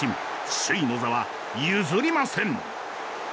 首位の座は譲りません。